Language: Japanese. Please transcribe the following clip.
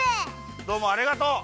どうもありがとう。